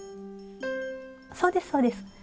そうですそうです。